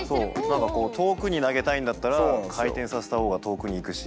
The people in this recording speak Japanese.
何かこう遠くに投げたいんだったら回転させた方が遠くに行くし。